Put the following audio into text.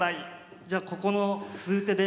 じゃあここの数手で。